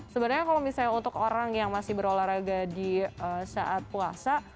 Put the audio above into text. sebenarnya kalau misalnya untuk orang yang masih berolahraga di saat puasa